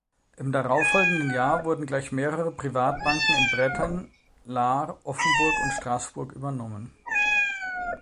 Im darauffolgenden Jahr wurden gleich mehrere Privatbanken in Bretten, Lahr, Offenburg und Straßburg übernommen.